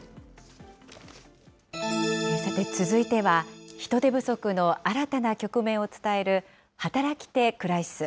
さて、続いては、人手不足の新たな局面を伝える、働き手クライシス。